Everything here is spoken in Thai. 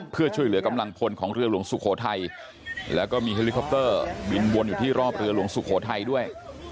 เพื่อช่วยเหลือกำลังพลของเรือหลวงสุโขทัยแล้วก็มีเฮลิคอปเตอร์บินวนอยู่ที่รอบเรือหลวงสุโขทัยด้วย